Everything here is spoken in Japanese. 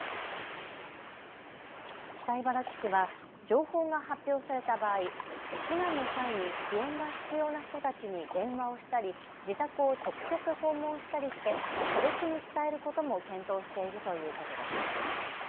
北茨城市は情報が発表された場合、避難の際に支援が必要な人たちに電話をしたり自宅を直接訪問したりして個別に伝えることも検討しているということです。